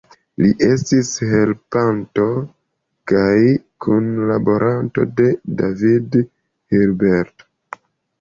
Li estis helpanto kaj kunlaboranto de David Hilbert.